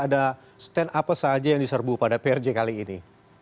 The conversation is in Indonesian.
ada stand apa saja yang diserbu pada prj kali ini